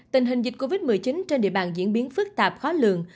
tình hình dịch covid một mươi chín trên địa bàn diễn biến phức tạp khó lường